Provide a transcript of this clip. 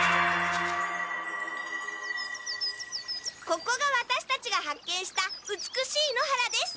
ここがワタシたちが発見した美しい野原です。